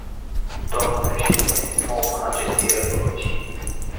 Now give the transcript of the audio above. Dnă președintă, mă opun acestei rezoluții.